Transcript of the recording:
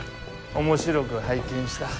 面白く拝見した。